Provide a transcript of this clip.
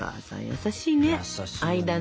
優しいよね。